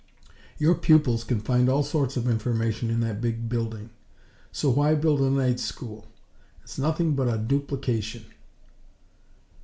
Your 'pupils' can find all sorts of information in that big building. So why build a night school? It's nothing but a duplication!"